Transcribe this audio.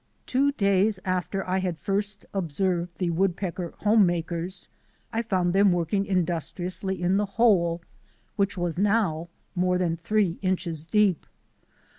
Two days after I had first observed the wood pecker home makers, I found them working in dustriously in the hole which was now more than three inches deep.